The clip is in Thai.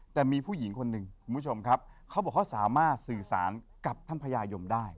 แต่มีผู้หญิงคนหนึ่งคุณผู้ชมครับเขาบอกเขาสามารถสื่อสารกับท่านพญายมได้